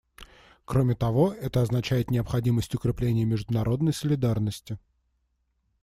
Кроме того, это означает необходимость укрепления международной солидарности.